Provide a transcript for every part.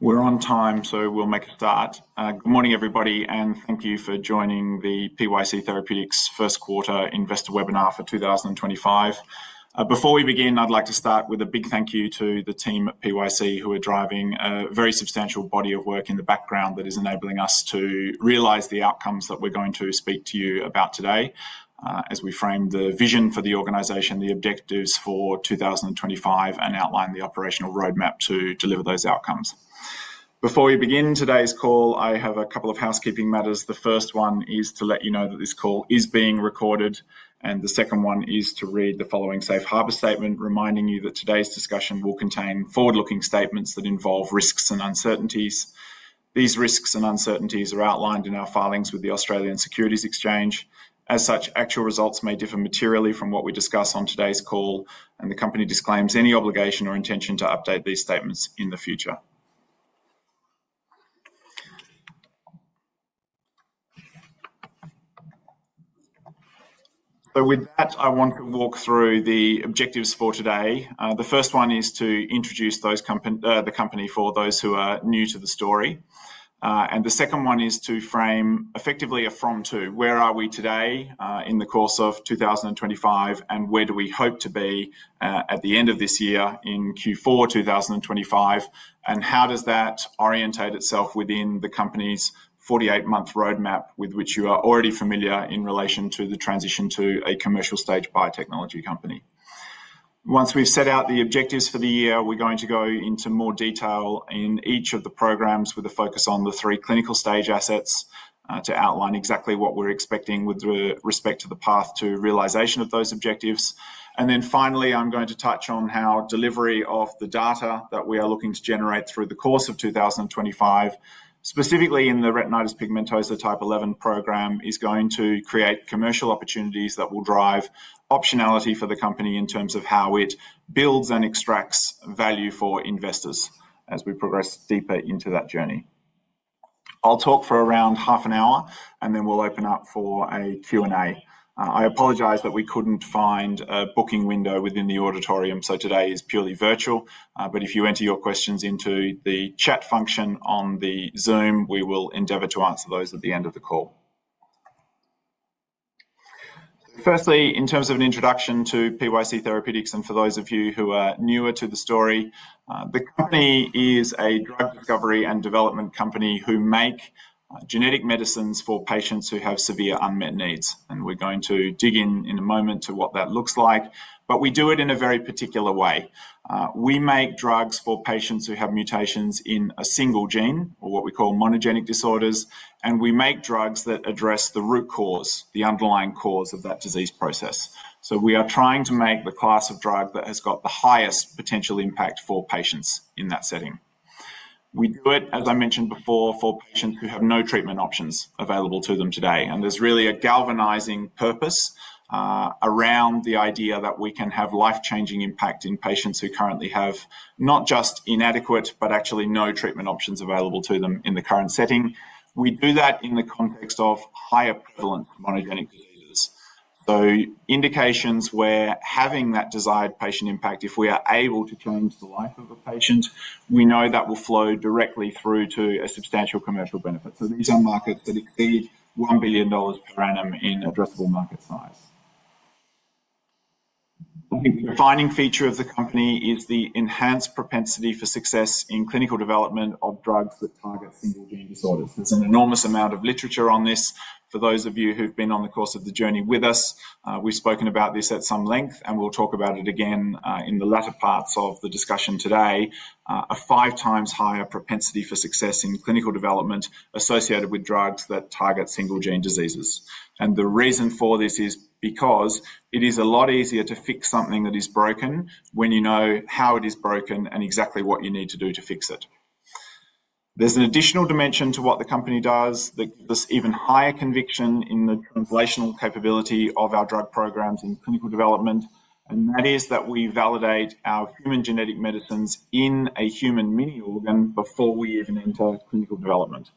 We're on time, so we'll make a start. Good morning, everybody, and thank you for joining the PYC Therapeutics First Quarter Investor Webinar for 2025. Before we begin, I'd like to start with a big thank you to the team at PYC who are driving a very substantial body of work in the background that is enabling us to realize the outcomes that we're going to speak to you about today as we frame the vision for the organization, the objectives for 2025, and outline the operational roadmap to deliver those outcomes. Before we begin today's call, I have a couple of housekeeping matters. The first one is to let you know that this call is being recorded, and the second one is to read the following safe harbor statement reminding you that today's discussion will contain forward-looking statements that involve risks and uncertainties. These risks and uncertainties are outlined in our filings with the Australian Securities Exchange. As such, actual results may differ materially from what we discuss on today's call, and the company disclaims any obligation or intention to update these statements in the future. With that, I want to walk through the objectives for today. The first one is to introduce the company for those who are new to the story, and the second one is to frame effectively a from-to where are we today in the course of 2025, and where do we hope to be at the end of this year in Q4 2025, and how does that orientate itself within the company's 48-month roadmap with which you are already familiar in relation to the transition to a commercial stage biotechnology company. Once we've set out the objectives for the year, we're going to go into more detail in each of the programs with a focus on the three clinical stage assets to outline exactly what we're expecting with respect to the path to realization of those objectives. Finally, I'm going to touch on how delivery of the data that we are looking to generate through the course of 2025, specifically in the retinitis pigmentosa type 11 program, is going to create commercial opportunities that will drive optionality for the company in terms of how it builds and extracts value for investors as we progress deeper into that journey. I'll talk for around half an hour, and then we'll open up for a Q&A. I apologize that we couldn't find a booking window within the auditorium, so today is purely virtual, but if you enter your questions into the chat function on the Zoom, we will endeavor to answer those at the end of the call. Firstly, in terms of an introduction to PYC Therapeutics and for those of you who are newer to the story, the company is a drug discovery and development company who make genetic medicines for patients who have severe unmet needs, and we're going to dig in in a moment to what that looks like, but we do it in a very particular way. We make drugs for patients who have mutations in a single gene or what we call monogenic disorders, and we make drugs that address the root cause, the underlying cause of that disease process. We are trying to make the class of drug that has got the highest potential impact for patients in that setting. We do it, as I mentioned before, for patients who have no treatment options available to them today, and there's really a galvanizing purpose around the idea that we can have life-changing impact in patients who currently have not just inadequate but actually no treatment options available to them in the current setting. We do that in the context of higher prevalence monogenic diseases. Indications where having that desired patient impact, if we are able to change the life of a patient, we know that will flow directly through to a substantial commercial benefit. These are markets that exceed $1 billion per annum in addressable market size. The defining feature of the company is the enhanced propensity for success in clinical development of drugs that target single-gene disorders. There's an enormous amount of literature on this. For those of you who've been on the course of the journey with us, we've spoken about this at some length, and we'll talk about it again in the latter parts of the discussion today. A five times higher propensity for success in clinical development associated with drugs that target single-gene diseases. The reason for this is because it is a lot easier to fix something that is broken when you know how it is broken and exactly what you need to do to fix it. There's an additional dimension to what the company does that gives us even higher conviction in the translational capability of our drug programs in clinical development, and that is that we validate our human genetic medicines in a human mini organ before we even enter clinical development.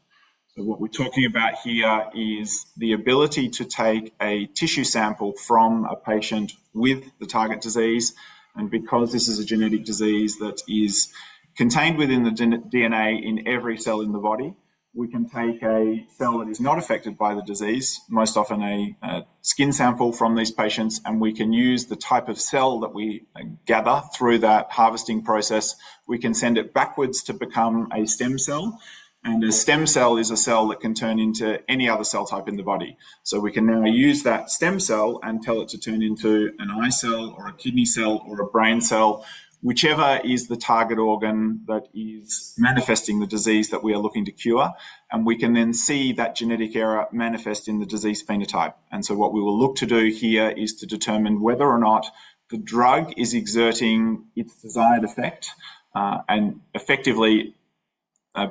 What we're talking about here is the ability to take a tissue sample from a patient with the target disease, and because this is a genetic disease that is contained within the DNA in every cell in the body, we can take a cell that is not affected by the disease, most often a skin sample from these patients, and we can use the type of cell that we gather through that harvesting process. We can send it backwards to become a stem cell, and a stem cell is a cell that can turn into any other cell type in the body. We can now use that stem cell and tell it to turn into an eye cell or a kidney cell or a brain cell, whichever is the target organ that is manifesting the disease that we are looking to cure, and we can then see that genetic error manifest in the disease phenotype. What we will look to do here is to determine whether or not the drug is exerting its desired effect and effectively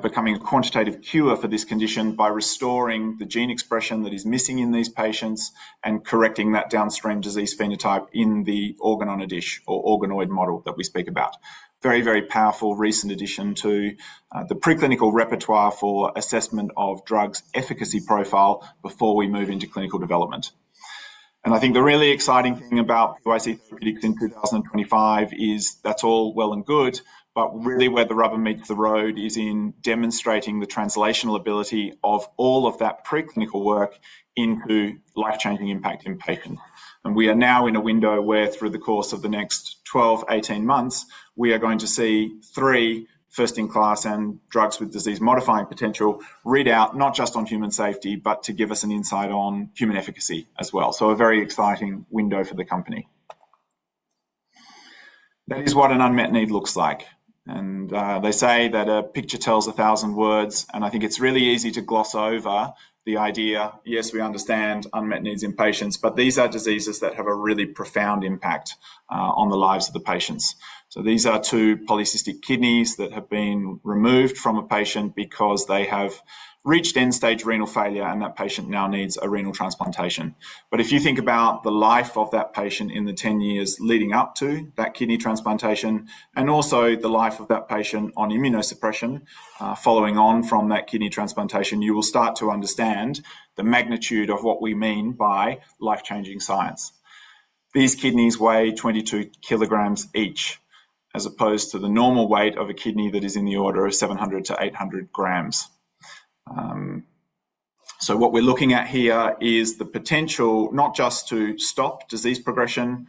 becoming a quantitative cure for this condition by restoring the gene expression that is missing in these patients and correcting that downstream disease phenotype in the organ on a dish or organoid model that we speak about. Very, very powerful recent addition to the preclinical repertoire for assessment of drugs' efficacy profile before we move into clinical development. I think the really exciting thing about PYC Therapeutics in 2025 is that's all well and good, but really where the rubber meets the road is in demonstrating the translational ability of all of that preclinical work into life-changing impact in patients. We are now in a window where through the course of the next 12-18 months, we are going to see three first-in-class and drugs with disease-modifying potential read out not just on human safety, but to give us an insight on human efficacy as well. A very exciting window for the company. That is what an unmet need looks like, and they say that a picture tells a thousand words, and I think it's really easy to gloss over the idea, yes, we understand unmet needs in patients, but these are diseases that have a really profound impact on the lives of the patients. These are two polycystic kidneys that have been removed from a patient because they have reached end-stage renal failure, and that patient now needs a renal transplantation. If you think about the life of that patient in the 10 years leading up to that kidney transplantation and also the life of that patient on immunosuppression following on from that kidney transplantation, you will start to understand the magnitude of what we mean by life-changing science. These kidneys weigh 22 kg each as opposed to the normal weight of a kidney that is in the order of 700-800 g. What we're looking at here is the potential not just to stop disease progression,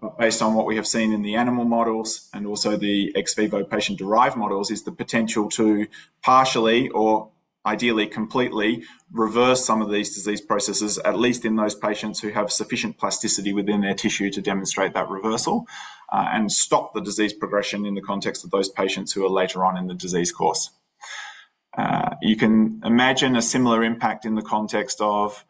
but based on what we have seen in the animal models and also the ex vivo patient-derived models, is the potential to partially or ideally completely reverse some of these disease processes, at least in those patients who have sufficient plasticity within their tissue to demonstrate that reversal and stop the disease progression in the context of those patients who are later on in the disease course. You can imagine a similar impact in the context of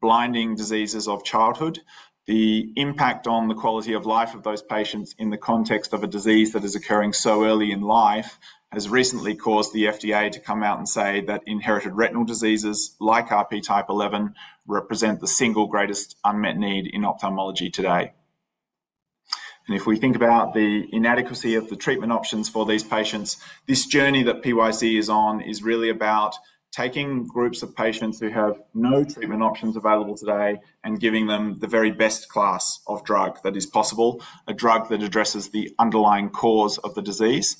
blinding diseases of childhood. The impact on the quality of life of those patients in the context of a disease that is occurring so early in life has recently caused the FDA to come out and say that inherited retinal diseases like RP type 11 represent the single greatest unmet need in ophthalmology today. If we think about the inadequacy of the treatment options for these patients, this journey that PYC is on is really about taking groups of patients who have no treatment options available today and giving them the very best class of drug that is possible, a drug that addresses the underlying cause of the disease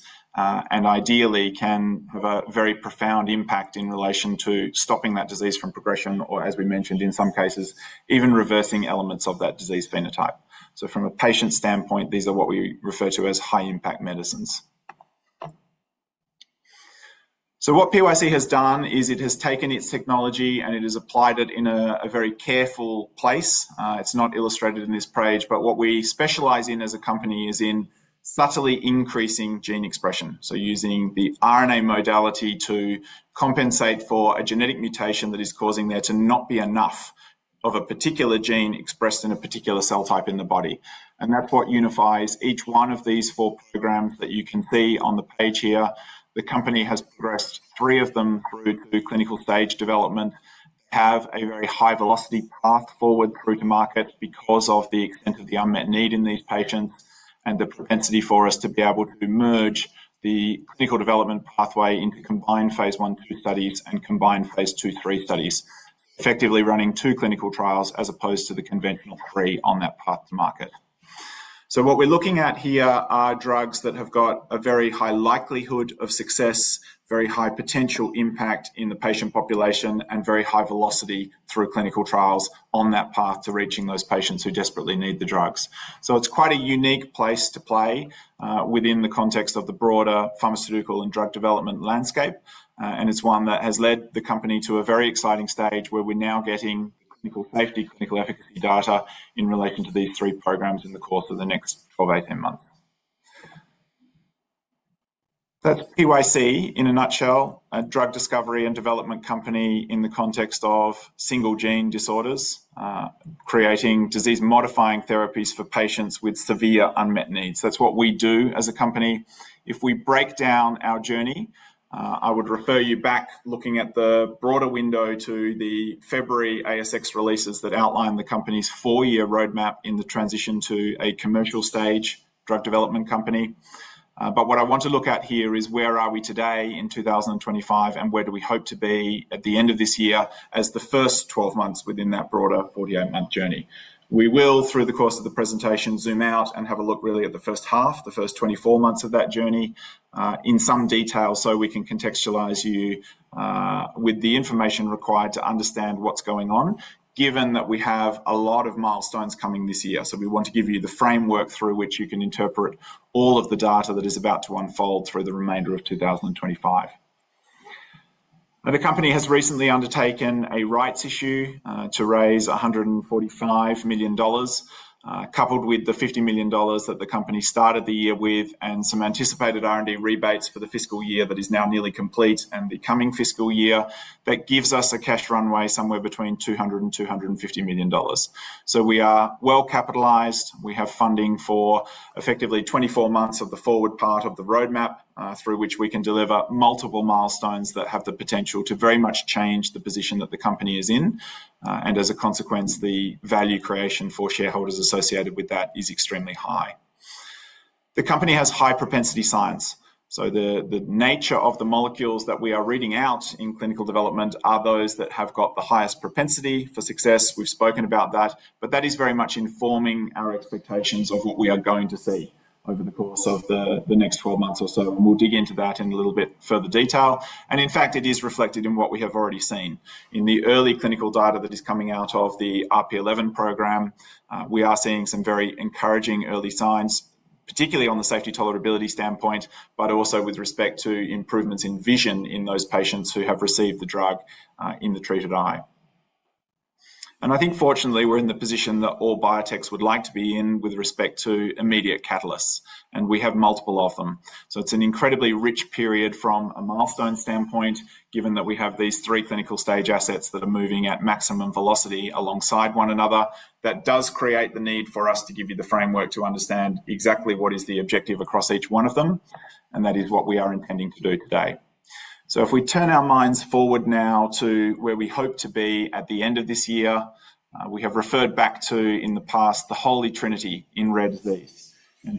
and ideally can have a very profound impact in relation to stopping that disease from progression or, as we mentioned, in some cases, even reversing elements of that disease phenotype. From a patient standpoint, these are what we refer to as high-impact medicines. What PYC has done is it has taken its technology and it has applied it in a very careful place. It's not illustrated in this page, but what we specialize in as a company is in subtly increasing gene expression. Using the RNA modality to compensate for a genetic mutation that is causing there to not be enough of a particular gene expressed in a particular cell type in the body. That is what unifies each one of these four programs that you can see on the page here. The company has progressed three of them through to clinical stage development, have a very high-velocity path forward through to market because of the extent of the unmet need in these patients and the propensity for us to be able to merge the clinical development pathway into combined phase I/II studies and combined phase II/III studies, effectively running two clinical trials as opposed to the conventional three on that path to market. What we're looking at here are drugs that have got a very high likelihood of success, very high potential impact in the patient population, and very high velocity through clinical trials on that path to reaching those patients who desperately need the drugs. It's quite a unique place to play within the context of the broader pharmaceutical and drug development landscape, and it's one that has led the company to a very exciting stage where we're now getting clinical safety, clinical efficacy data in relation to these three programs in the course of the next 12-18 months. That's PYC in a nutshell, a drug discovery and development company in the context of single-gene disorders, creating disease-modifying therapies for patients with severe unmet needs. That's what we do as a company. If we break down our journey, I would refer you back looking at the broader window to the February ASX releases that outline the company's four-year roadmap in the transition to a commercial stage drug development company. What I want to look at here is where are we today in 2025 and where do we hope to be at the end of this year as the first 12 months within that broader 48-month journey. We will, through the course of the presentation, zoom out and have a look really at the first half, the first 24 months of that journey in some detail so we can contextualize you with the information required to understand what's going on, given that we have a lot of milestones coming this year. We want to give you the framework through which you can interpret all of the data that is about to unfold through the remainder of 2025. The company has recently undertaken a rights issue to raise 145 million dollars, coupled with the 50 million dollars that the company started the year with and some anticipated R&D rebates for the fiscal year that is now nearly complete and the coming fiscal year. That gives us a cash runway somewhere between 200 million-250 million dollars. We are well capitalized. We have funding for effectively 24 months of the forward part of the roadmap through which we can deliver multiple milestones that have the potential to very much change the position that the company is in. As a consequence, the value creation for shareholders associated with that is extremely high. The company has high propensity science. The nature of the molecules that we are reading out in clinical development are those that have got the highest propensity for success. We've spoken about that, but that is very much informing our expectations of what we are going to see over the course of the next 12 months or so. We'll dig into that in a little bit further detail. In fact, it is reflected in what we have already seen. In the early clinical data that is coming out of the RP11 program, we are seeing some very encouraging early signs, particularly on the safety tolerability standpoint, but also with respect to improvements in vision in those patients who have received the drug in the treated eye. I think, fortunately, we're in the position that all biotechs would like to be in with respect to immediate catalysts, and we have multiple of them. It is an incredibly rich period from a milestone standpoint, given that we have these three clinical stage assets that are moving at maximum velocity alongside one another. That does create the need for us to give you the framework to understand exactly what is the objective across each one of them, and that is what we are intending to do today. If we turn our minds forward now to where we hope to be at the end of this year, we have referred back to in the past the Holy Trinity in red.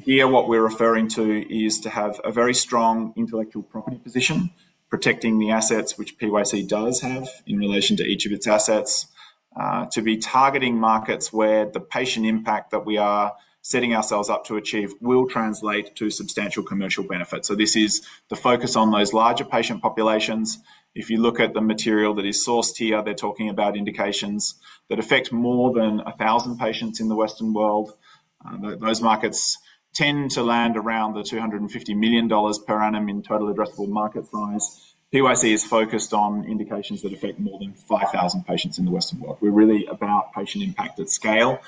Here, what we are referring to is to have a very strong intellectual property position, protecting the assets which PYC does have in relation to each of its assets, to be targeting markets where the patient impact that we are setting ourselves up to achieve will translate to substantial commercial benefits. This is the focus on those larger patient populations. If you look at the material that is sourced here, they're talking about indications that affect more than 1,000 patients in the Western world. Those markets tend to land around the $250 million per annum in total addressable market size. PYC is focused on indications that affect more than 5,000 patients in the Western world. We're really about patient impact at scale.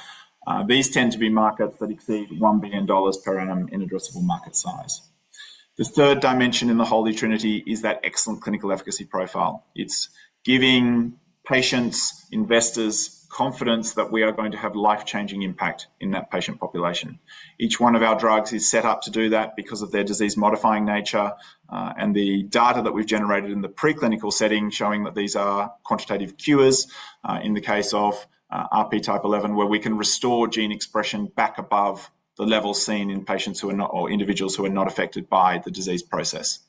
These tend to be markets that exceed $1 billion per annum in addressable market size. The third dimension in the Holy Trinity is that excellent clinical efficacy profile. It's giving patients, investors, confidence that we are going to have life-changing impact in that patient population. Each one of our drugs is set up to do that because of their disease-modifying nature and the data that we've generated in the preclinical setting showing that these are quantitative cures in the case of RP type 11, where we can restore gene expression back above the level seen in patients who are not or individuals who are not affected by the disease process.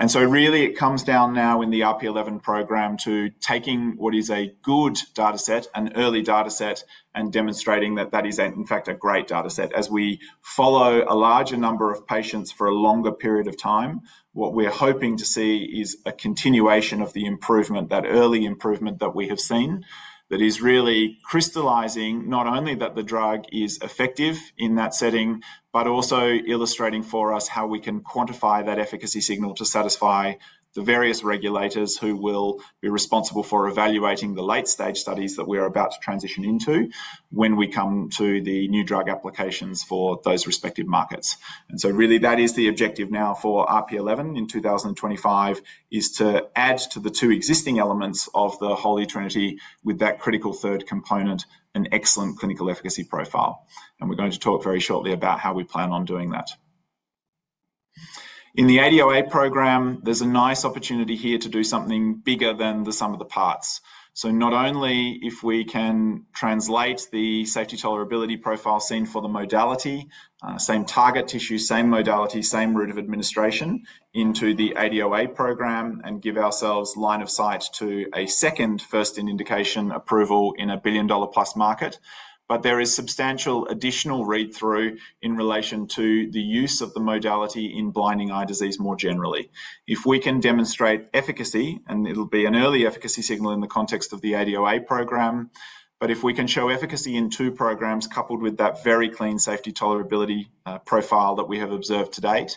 It comes down now in the RP11 program to taking what is a good data set, an early data set, and demonstrating that that is in fact a great data set. As we follow a larger number of patients for a longer period of time, what we're hoping to see is a continuation of the improvement, that early improvement that we have seen that is really crystalizing not only that the drug is effective in that setting, but also illustrating for us how we can quantify that efficacy signal to satisfy the various regulators who will be responsible for evaluating the late-stage studies that we are about to transition into when we come to the new drug applications for those respective markets. That is the objective now for RP11 in 2025, to add to the two existing elements of the Holy Trinity with that critical third component, an excellent clinical efficacy profile. We're going to talk very shortly about how we plan on doing that. In the ADOA program, there's a nice opportunity here to do something bigger than the sum of the parts. Not only if we can translate the safety tolerability profile seen for the modality, same target tissue, same modality, same route of administration into the ADOA program and give ourselves line of sight to a second first-in-indication approval in a billion-dollar-plus market, there is substantial additional read-through in relation to the use of the modality in blinding eye disease more generally. If we can demonstrate efficacy, and it'll be an early efficacy signal in the context of the ADOA program, if we can show efficacy in two programs coupled with that very clean safety tolerability profile that we have observed to date,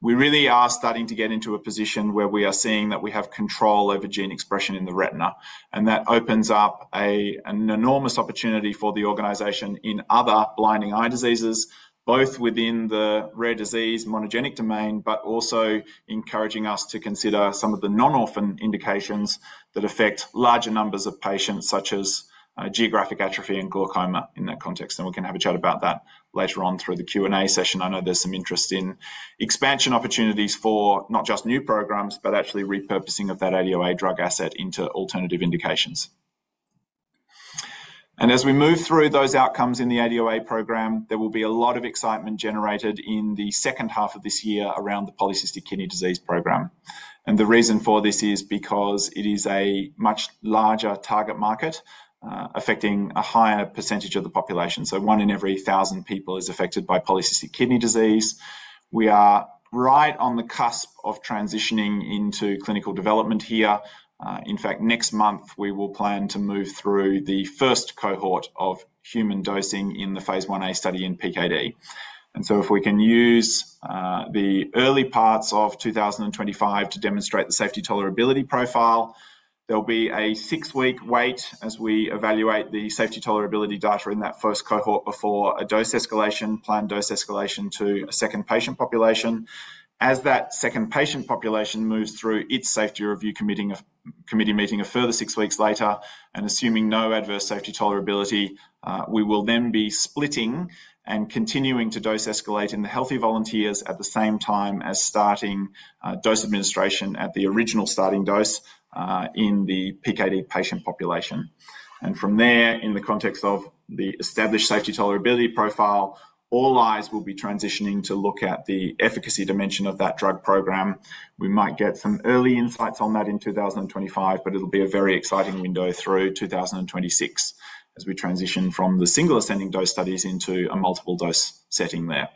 we really are starting to get into a position where we are seeing that we have control over gene expression in the retina. That opens up an enormous opportunity for the organization in other blinding eye diseases, both within the rare disease monogenic domain, but also encouraging us to consider some of the non-orphan indications that affect larger numbers of patients, such as geographic atrophy and glaucoma in that context. We can have a chat about that later on through the Q&A session. I know there's some interest in expansion opportunities for not just new programs, but actually repurposing of that ADOA drug asset into alternative indications. As we move through those outcomes in the ADOA program, there will be a lot of excitement generated in the second half of this year around the polycystic kidney disease program. The reason for this is because it is a much larger target market affecting a higher percentage of the population. One in every 1,000 people is affected by polycystic kidney disease. We are right on the cusp of transitioning into clinical development here. In fact, next month, we will plan to move through the first cohort of human dosing in the phase I-A study in PKD. If we can use the early parts of 2025 to demonstrate the safety tolerability profile, there will be a six-week wait as we evaluate the safety tolerability data in that first cohort before a planned dose escalation to a second patient population. As that second patient population moves through its safety review committee meeting a further six weeks later, and assuming no adverse safety tolerability, we will then be splitting and continuing to dose escalate in the healthy volunteers at the same time as starting dose administration at the original starting dose in the PKD patient population. From there, in the context of the established safety tolerability profile, all eyes will be transitioning to look at the efficacy dimension of that drug program. We might get some early insights on that in 2025, but it'll be a very exciting window through 2026 as we transition from the single ascending dose studies into a multiple dose setting there.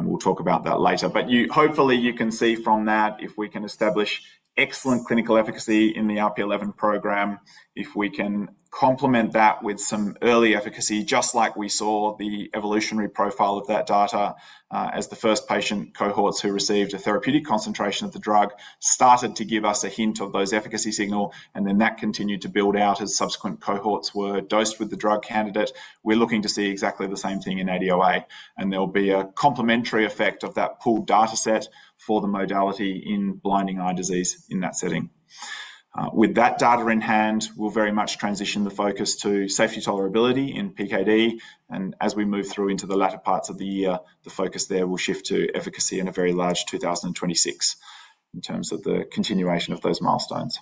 We'll talk about that later. Hopefully, you can see from that if we can establish excellent clinical efficacy in the RP11 program, if we can complement that with some early efficacy, just like we saw the evolutionary profile of that data as the first patient cohorts who received a therapeutic concentration of the drug started to give us a hint of those efficacy signal, and then that continued to build out as subsequent cohorts were dosed with the drug candidate. We're looking to see exactly the same thing in ADOA, and there'll be a complementary effect of that pooled data set for the modality in blinding eye disease in that setting. With that data in hand, we'll very much transition the focus to safety tolerability in PKD. As we move through into the latter parts of the year, the focus there will shift to efficacy in a very large 2026 in terms of the continuation of those milestones.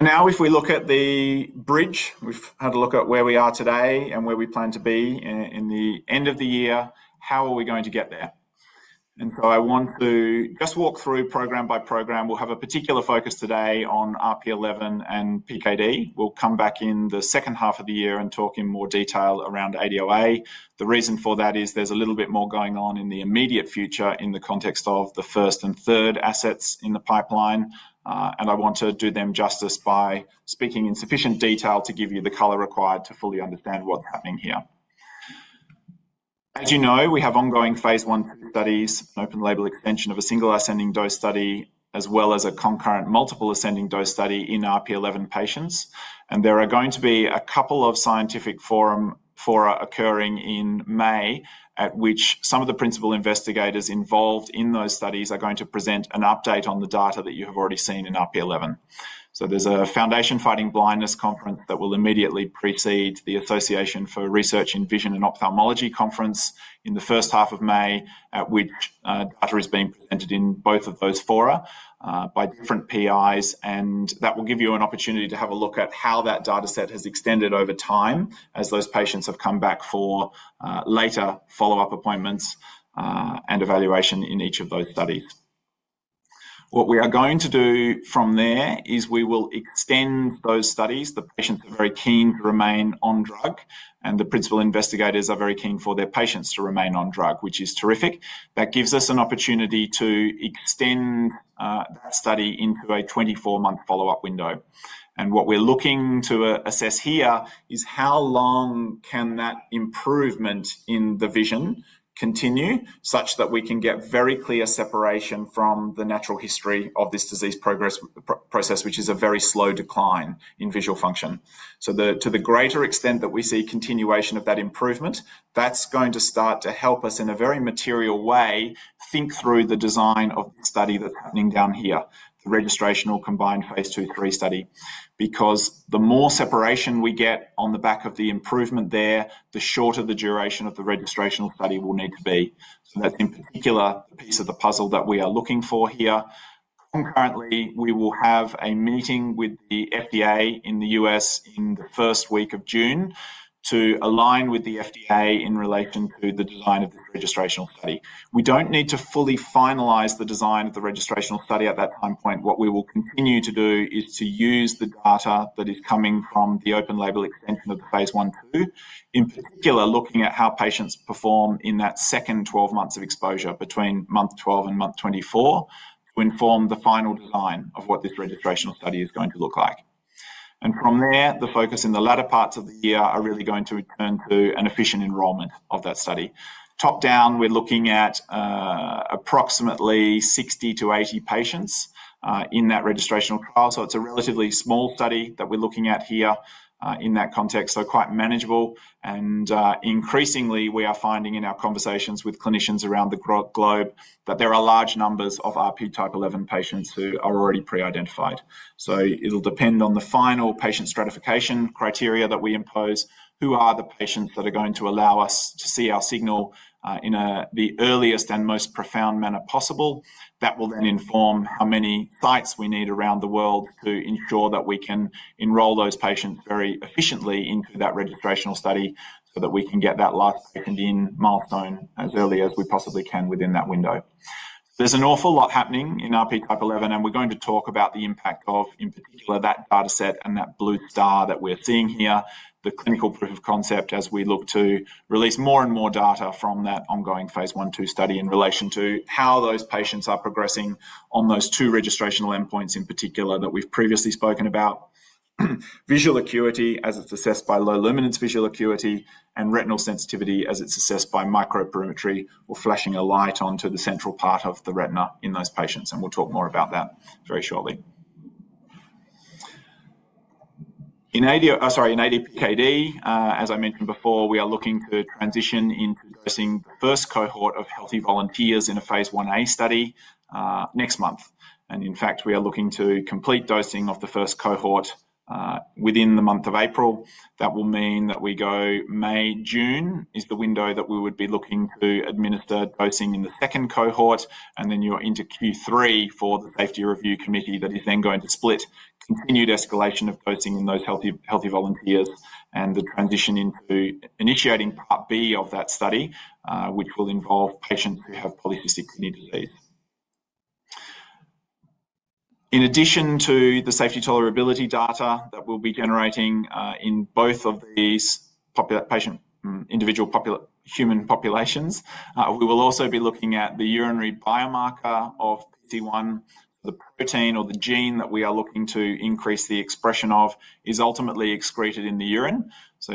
Now, if we look at the bridge, we've had a look at where we are today and where we plan to be in the end of the year, how are we going to get there? I want to just walk through program by program. We'll have a particular focus today on RP11 and PKD. We'll come back in the second half of the year and talk in more detail around ADOA. The reason for that is there's a little bit more going on in the immediate future in the context of the first and third assets in the pipeline. I want to do them justice by speaking in sufficient detail to give you the color required to fully understand what's happening here. As you know, we have ongoing phase I studies and open label extension of a single ascending dose study, as well as a concurrent multiple ascending dose study in RP11 patients. There are going to be a couple of scientific fora occurring in May at which some of the principal investigators involved in those studies are going to present an update on the data that you have already seen in RP11. There is a Foundation Fighting Blindness Conference that will immediately precede the Association for Research in Vision and Ophthalmology Conference in the first half of May, at which data is being presented in both of those fora by different PIs. That will give you an opportunity to have a look at how that data set has extended over time as those patients have come back for later follow-up appointments and evaluation in each of those studies. What we are going to do from there is we will extend those studies. The patients are very keen to remain on drug, and the principal investigators are very keen for their patients to remain on drug, which is terrific. That gives us an opportunity to extend that study into a 24-month follow-up window. What we're looking to assess here is how long can that improvement in the vision continue such that we can get very clear separation from the natural history of this disease process, which is a very slow decline in visual function. To the greater extent that we see continuation of that improvement, that's going to start to help us in a very material way think through the design of the study that's happening down here, the registrational combined phase II/III study. The more separation we get on the back of the improvement there, the shorter the duration of the registrational study will need to be. That is in particular the piece of the puzzle that we are looking for here. Concurrently, we will have a meeting with the FDA in the U.S. in the first week of June to align with the FDA in relation to the design of this registrational study. We don't need to fully finalize the design of the registrational study at that time point. What we will continue to do is to use the data that is coming from the open label extension of the phase I/II, in particular looking at how patients perform in that second 12 months of exposure between month 12 and month 24 to inform the final design of what this registrational study is going to look like. From there, the focus in the latter parts of the year are really going to return to an efficient enrollment of that study. Top down, we're looking at approximately 60-80 patients in that registrational trial. It's a relatively small study that we're looking at here in that context, so quite manageable. Increasingly, we are finding in our conversations with clinicians around the globe that there are large numbers of RP type 11 patients who are already pre-identified. It'll depend on the final patient stratification criteria that we impose, who are the patients that are going to allow us to see our signal in the earliest and most profound manner possible. That will then inform how many sites we need around the world to ensure that we can enroll those patients very efficiently into that registrational study so that we can get that last second-in milestone as early as we possibly can within that window. There's an awful lot happening in RP type 11, and we're going to talk about the impact of, in particular, that data set and that blue star that we're seeing here, the clinical proof of concept as we look to release more and more data from that ongoing phase I/II study in relation to how those patients are progressing on those two registrational endpoints in particular that we've previously spoken about. Visual acuity as it's assessed by low luminance visual acuity and retinal sensitivity as it's assessed by microperimetry or flashing a light onto the central part of the retina in those patients. We'll talk more about that very shortly. In ADO, sorry, in ADPKD, as I mentioned before, we are looking to transition into dosing the first cohort of healthy volunteers in a phase I-A study next month. In fact, we are looking to complete dosing of the first cohort within the month of April. That will mean that we go May, June is the window that we would be looking to administer dosing in the second cohort, and you are into Q3 for the safety review committee that is then going to split continued escalation of dosing in those healthy volunteers and the transition into initiating part B of that study, which will involve patients who have polycystic kidney disease. In addition to the safety tolerability data that we'll be generating in both of these individual human populations, we will also be looking at the urinary biomarker of PC1, the protein or the gene that we are looking to increase the expression of is ultimately excreted in the urine.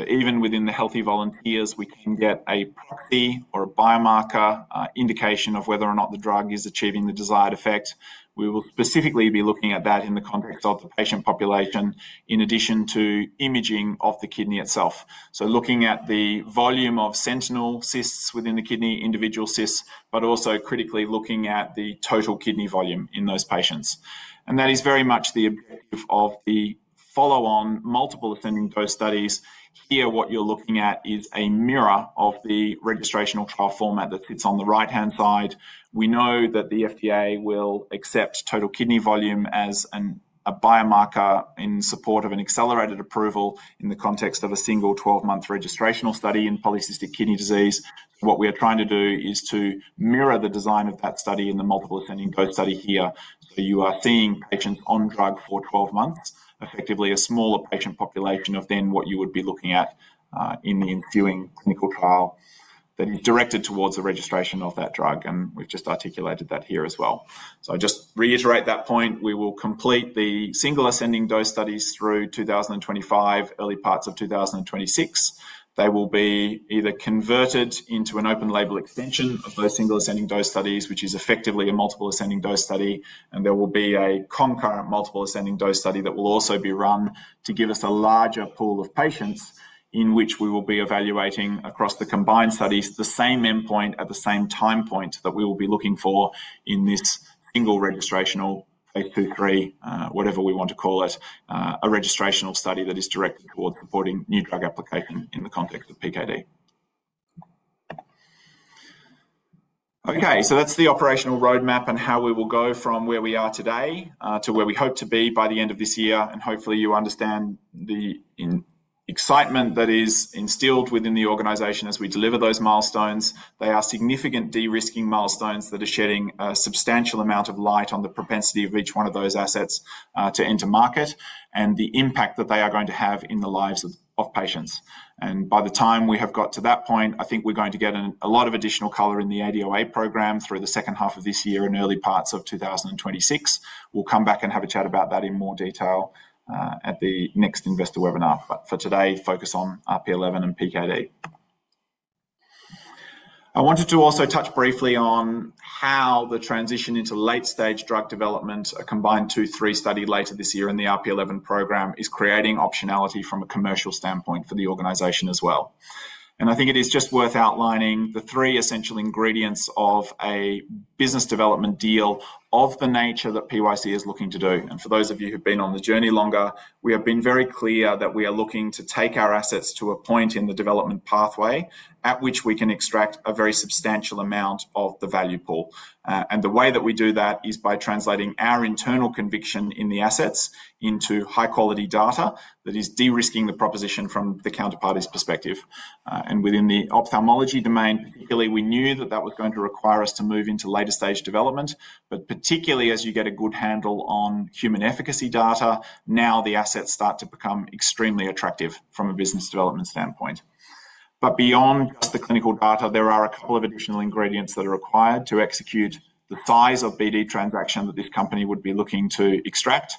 Even within the healthy volunteers, we can get a proxy or a biomarker indication of whether or not the drug is achieving the desired effect. We will specifically be looking at that in the context of the patient population in addition to imaging of the kidney itself. Looking at the volume of sentinel cysts within the kidney, individual cysts, but also critically looking at the total kidney volume in those patients. That is very much the objective of the follow-on multiple ascending dose studies. Here, what you're looking at is a mirror of the registrational trial format that sits on the right-hand side. We know that the FDA will accept total kidney volume as a biomarker in support of an accelerated approval in the context of a single 12-month registrational study in polycystic kidney disease. What we are trying to do is to mirror the design of that study in the multiple ascending dose study here. You are seeing patients on drug for 12 months, effectively a smaller patient population than what you would be looking at in the ensuing clinical trial that is directed towards the registration of that drug. We have just articulated that here as well. I just reiterate that point. We will complete the single ascending dose studies through 2025, early parts of 2026. They will be either converted into an open label extension of those single ascending dose studies, which is effectively a multiple ascending dose study. There will be a concurrent multiple ascending dose study that will also be run to give us a larger pool of patients in which we will be evaluating across the combined studies, the same endpoint at the same time point that we will be looking for in this single registrational phase II/III, whatever we want to call it, a registrational study that is directed towards supporting new drug application in the context of PKD. Okay, that is the operational roadmap and how we will go from where we are today to where we hope to be by the end of this year. Hopefully, you understand the excitement that is instilled within the organization as we deliver those milestones. They are significant de-risking milestones that are shedding a substantial amount of light on the propensity of each one of those assets to enter market and the impact that they are going to have in the lives of patients. By the time we have got to that point, I think we're going to get a lot of additional color in the ADOA program through the second half of this year and early parts of 2026. We'll come back and have a chat about that in more detail at the next investor webinar. For today, focus on RP11 and PKD. I wanted to also touch briefly on how the transition into late-stage drug development, a combined phase II/III study later this year in the RP11 program, is creating optionality from a commercial standpoint for the organization as well. I think it is just worth outlining the three essential ingredients of a business development deal of the nature that PYC is looking to do. For those of you who've been on the journey longer, we have been very clear that we are looking to take our assets to a point in the development pathway at which we can extract a very substantial amount of the value pool. The way that we do that is by translating our internal conviction in the assets into high-quality data that is de-risking the proposition from the counterparty's perspective. Within the ophthalmology domain, particularly, we knew that that was going to require us to move into later-stage development. Particularly as you get a good handle on human efficacy data, now the assets start to become extremely attractive from a business development standpoint. Beyond just the clinical data, there are a couple of additional ingredients that are required to execute the size of BD transaction that this company would be looking to extract,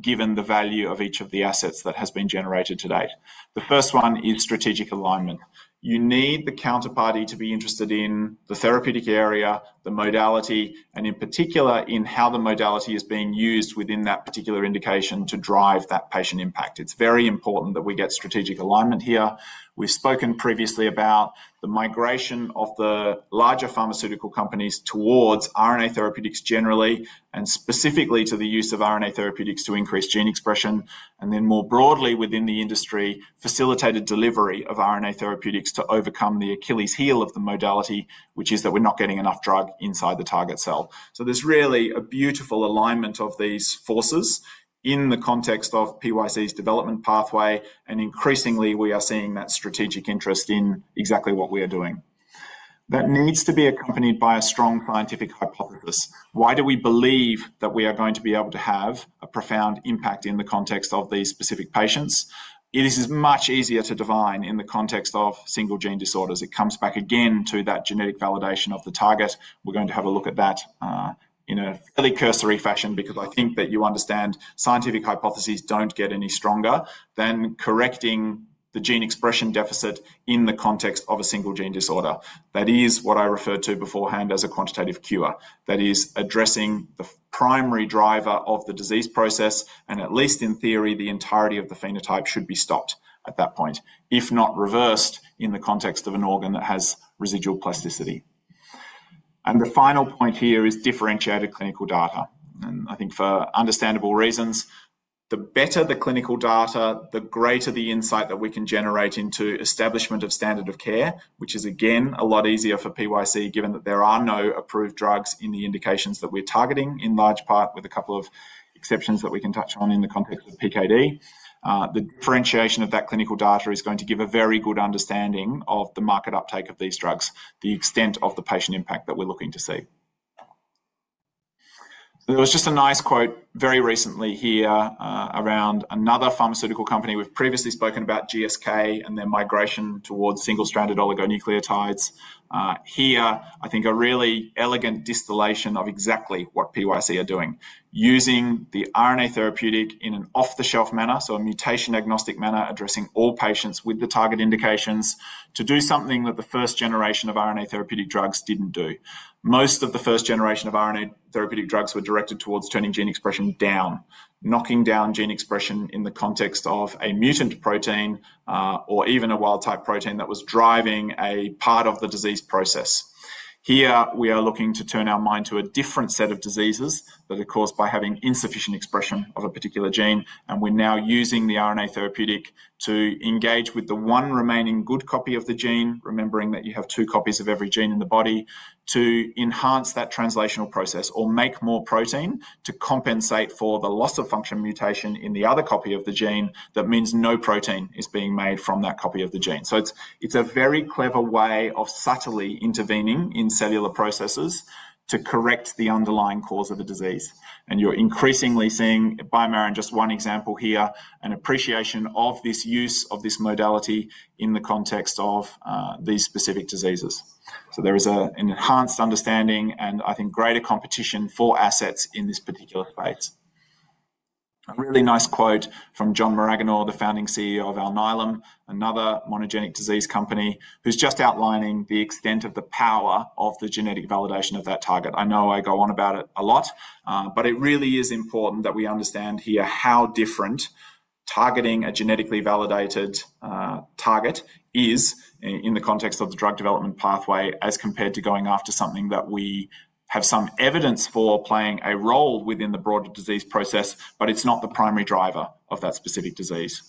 given the value of each of the assets that has been generated to date. The first one is strategic alignment. You need the counterparty to be interested in the therapeutic area, the modality, and in particular in how the modality is being used within that particular indication to drive that patient impact. It's very important that we get strategic alignment here. We've spoken previously about the migration of the larger pharmaceutical companies towards RNA therapeutics generally and specifically to the use of RNA therapeutics to increase gene expression. More broadly within the industry, facilitated delivery of RNA therapeutics to overcome the Achilles heel of the modality, which is that we're not getting enough drug inside the target cell. There is really a beautiful alignment of these forces in the context of PYC's development pathway. Increasingly, we are seeing that strategic interest in exactly what we are doing. That needs to be accompanied by a strong scientific hypothesis. Why do we believe that we are going to be able to have a profound impact in the context of these specific patients? It is much easier to divine in the context of single-gene disorders. It comes back again to that genetic validation of the target. We're going to have a look at that in a fairly cursory fashion because I think that you understand scientific hypotheses don't get any stronger than correcting the gene expression deficit in the context of a single-gene disorder. That is what I referred to beforehand as a quantitative cure. That is addressing the primary driver of the disease process, and at least in theory, the entirety of the phenotype should be stopped at that point, if not reversed in the context of an organ that has residual plasticity. The final point here is differentiated clinical data. I think for understandable reasons, the better the clinical data, the greater the insight that we can generate into establishment of standard of care, which is again a lot easier for PYC given that there are no approved drugs in the indications that we're targeting in large part with a couple of exceptions that we can touch on in the context of PKD. The differentiation of that clinical data is going to give a very good understanding of the market uptake of these drugs, the extent of the patient impact that we're looking to see. There was just a nice quote very recently here around another pharmaceutical company. We've previously spoken about GSK and their migration towards single-stranded oligonucleotides. Here, I think a really elegant distillation of exactly what PYC are doing, using the RNA therapeutic in an off-the-shelf manner, so a mutation-agnostic manner, addressing all patients with the target indications to do something that the first generation of RNA therapeutic drugs did not do. Most of the first generation of RNA therapeutic drugs were directed towards turning gene expression down, knocking down gene expression in the context of a mutant protein or even a wild-type protein that was driving a part of the disease process. Here, we are looking to turn our mind to a different set of diseases that are caused by having insufficient expression of a particular gene. We are now using the RNA therapeutic to engage with the one remaining good copy of the gene, remembering that you have two copies of every gene in the body, to enhance that translational process or make more protein to compensate for the loss of function mutation in the other copy of the gene. That means no protein is being made from that copy of the gene. It is a very clever way of subtly intervening in cellular processes to correct the underlying cause of the disease. You are increasingly seeing, BioMarin is just one example here, an appreciation of this use of this modality in the context of these specific diseases. There is an enhanced understanding and I think greater competition for assets in this particular space. A really nice quote from John Maraganore, the founding CEO of Alnylam, another monogenic disease company who's just outlining the extent of the power of the genetic validation of that target. I know I go on about it a lot, but it really is important that we understand here how different targeting a genetically validated target is in the context of the drug development pathway as compared to going after something that we have some evidence for playing a role within the broader disease process, but it's not the primary driver of that specific disease.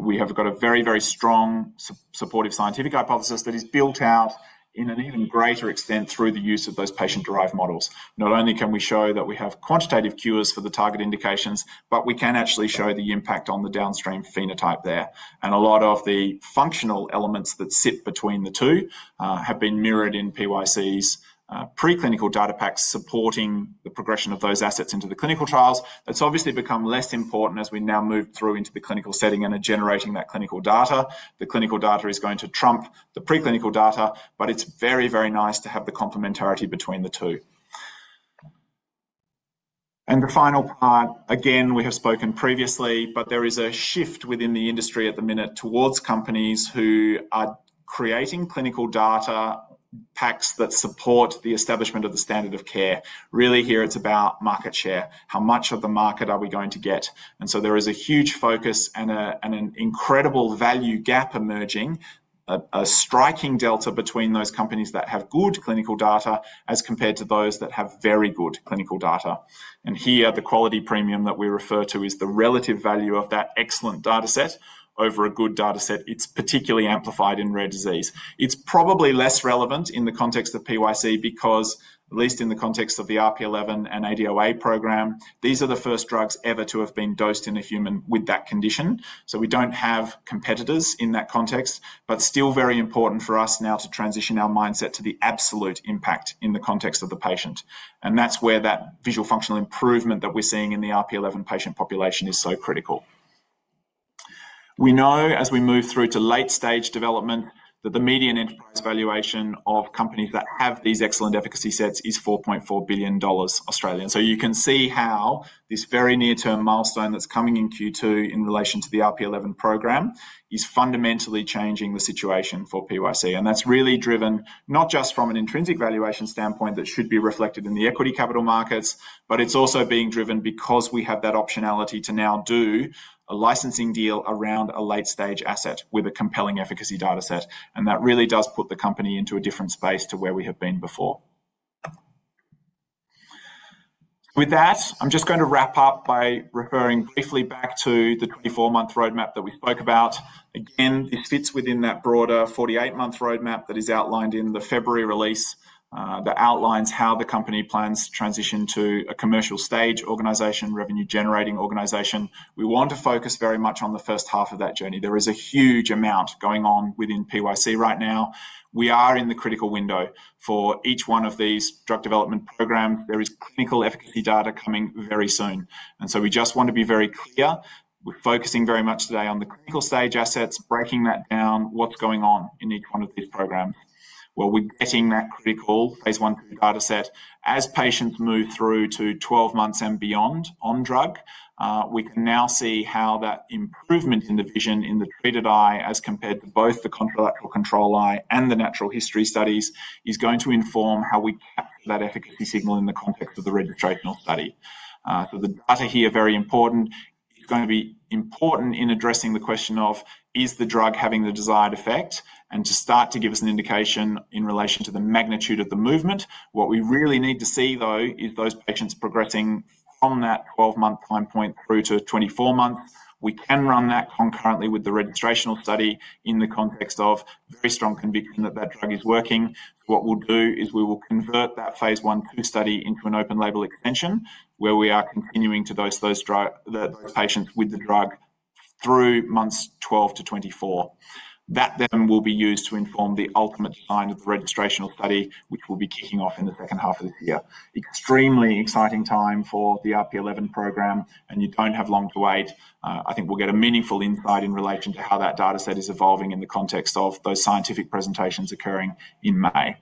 We have got a very, very strong supportive scientific hypothesis that is built out in an even greater extent through the use of those patient-derived models. Not only can we show that we have quantitative cures for the target indications, but we can actually show the impact on the downstream phenotype there. A lot of the functional elements that sit between the two have been mirrored in PYC's preclinical data packs supporting the progression of those assets into the clinical trials. It has obviously become less important as we now move through into the clinical setting and are generating that clinical data. The clinical data is going to trump the preclinical data, but it is very, very nice to have the complementarity between the two. The final part, again, we have spoken previously, but there is a shift within the industry at the minute towards companies who are creating clinical data packs that support the establishment of the standard of care. Really here, it is about market share. How much of the market are we going to get? There is a huge focus and an incredible value gap emerging, a striking delta between those companies that have good clinical data as compared to those that have very good clinical data. Here, the quality premium that we refer to is the relative value of that excellent data set over a good data set. It is particularly amplified in rare disease. It is probably less relevant in the context of PYC because, at least in the context of the RP11 and ADOA program, these are the first drugs ever to have been dosed in a human with that condition. We do not have competitors in that context, but it is still very important for us now to transition our mindset to the absolute impact in the context of the patient. That is where that visual functional improvement that we are seeing in the RP11 patient population is so critical. We know as we move through to late-stage development that the median enterprise valuation of companies that have these excellent efficacy sets is 4.4 billion Australian dollars. You can see how this very near-term milestone that's coming in Q2 in relation to the RP11 program is fundamentally changing the situation for PYC. That is really driven not just from an intrinsic valuation standpoint that should be reflected in the equity capital markets, but it's also being driven because we have that optionality to now do a licensing deal around a late-stage asset with a compelling efficacy data set. That really does put the company into a different space to where we have been before. With that, I'm just going to wrap up by referring briefly back to the 24-month roadmap that we spoke about. Again, this fits within that broader 48-month roadmap that is outlined in the February release that outlines how the company plans to transition to a commercial-stage organization, revenue-generating organization. We want to focus very much on the first half of that journey. There is a huge amount going on within PYC right now. We are in the critical window for each one of these drug development programs. There is clinical efficacy data coming very soon. We just want to be very clear. We're focusing very much today on the clinical stage assets, breaking that down, what's going on in each one of these programs. While we're getting that critical phase I data set, as patients move through to 12 months and beyond on drug, we can now see how that improvement in the vision in the treated eye as compared to both the contralateral control eye and the natural history studies is going to inform how we capture that efficacy signal in the context of the registrational study. The data here is very important. It's going to be important in addressing the question of, is the drug having the desired effect? To start to give us an indication in relation to the magnitude of the movement. What we really need to see, though, is those patients progressing from that 12-month time point through to 24 months. We can run that concurrently with the registrational study in the context of very strong conviction that that drug is working. What we'll do is we will convert that phase I/II study into an open label extension where we are continuing to dose those patients with the drug through months 12 to 24. That then will be used to inform the ultimate design of the registrational study, which will be kicking off in the second half of this year. Extremely exciting time for the RP11 program, and you don't have long to wait. I think we'll get a meaningful insight in relation to how that data set is evolving in the context of those scientific presentations occurring in May.